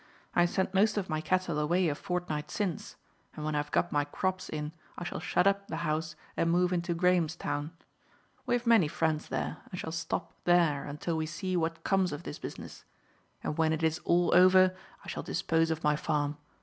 I sent most of my cattle away a fortnight since, and when I have got my crops in I shall shut up the house and move into Grahamstown. We have many friends there, and shall stop there until we see what comes of this business, and when it is all over I shall dispose of my farm.